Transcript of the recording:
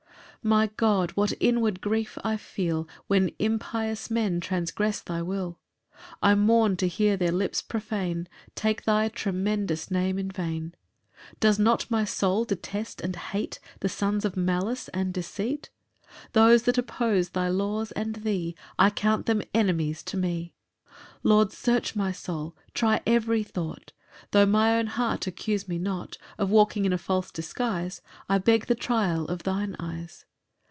1 My God, what inward grief I feel When impious men transgress thy will! I mourn to hear their lips profane Take thy tremendous Name in vain. 2 Does not my soul detest and hate The sons of malice and deceit? Those that oppose thy laws and thee I count them enemies to me. 3 Lord, search my soul, try every thought; Tho' my own heart accuse me not Of walking in a false disguise, I beg the trial of thine eyes.